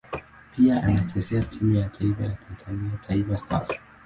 Pia anachezea timu ya taifa ya Tanzania Taifa Stars.